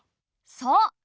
そう。